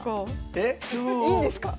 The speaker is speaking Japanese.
えっ⁉いいんですか？